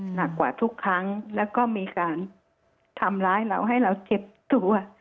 หนักกว่าทุกครั้งแล้วก็มีการทำร้ายเราให้เราเจ็บตัว